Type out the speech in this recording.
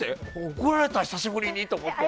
怒られた久しぶりにって。